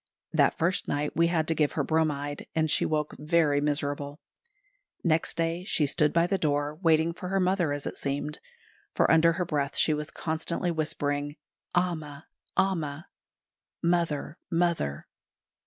That first night we had to give her bromide, and she woke very miserable. Next day she stood by the door waiting for her mother, as it seemed; for under her breath she was constantly whispering, "Amma! Amma!" ("Mother! Mother!")